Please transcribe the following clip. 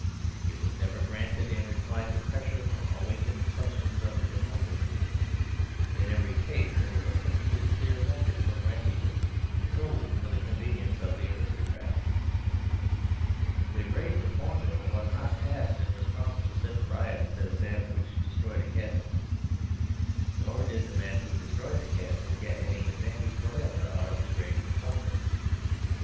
It was never granted in reply to pressure from awakened sections of the democracy; in every case there was a perfectly clear motive for granting it solely for the convenience of the aristocrats. The Great Reform Bill was not passed in response to such riots as that which destroyed a Castle; nor did the men who destroyed the Castle get any advantage whatever out of the Great Reform Bill.